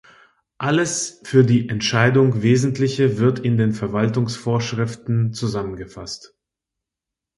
Alles für die Entscheidung Wesentliche wird in den Verwaltungsvorschriften zusammengefasst.